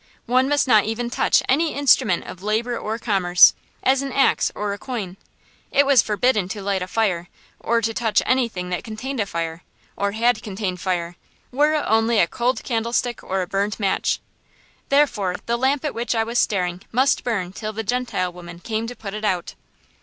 One must not even touch any instrument of labor or commerce, as an axe or a coin. It was forbidden to light a fire, or to touch anything that contained a fire, or had contained fire, were it only a cold candlestick or a burned match. Therefore the lamp at which I was staring must burn till the Gentile woman came to put it out.